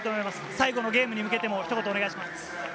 最後のゲームに向けてもひと言、お願いします。